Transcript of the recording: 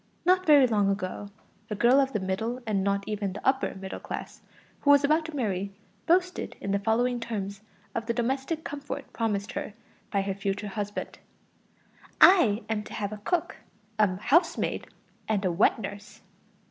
Not very long ago, a girl of the middle and not even the upper middle class, who was about to marry, boasted in the following terms of the domestic comfort promised her by her future husband: "I am to have a cook, a housemaid, and a wet nurse."